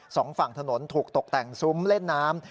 สองฝั่งถนนถูกตกแต่งซุ้มเล่นน้ำ